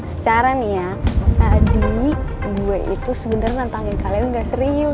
secara nih ya tadi gue itu sebenarnya nantangin kalian nggak serius